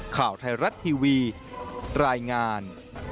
ข่าวไทยรัฐทีวีรายงาน